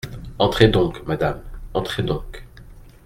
Entrez donc, madame, entrez donc !